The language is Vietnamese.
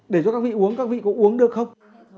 để cho các vị uống các vị có uống được không